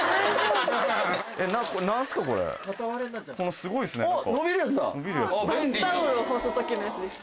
すごいっすね何か。